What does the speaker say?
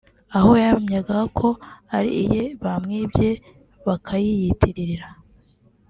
aho yahamyaga ko ari iye bamwibye bakayiyitirira